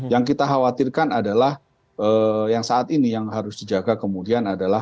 yang kita khawatirkan adalah yang saat ini yang harus dijaga kemudian adalah